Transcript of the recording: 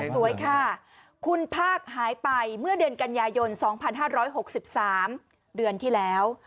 สวยค่ะคุณภาคหายไปเมื่อเดือนกันยายน๒๕๖๓เดือนที่แล้ว